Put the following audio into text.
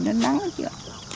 nó đắng là kìa